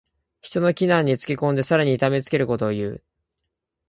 人の危難につけ込んでさらに痛めつけることをいう。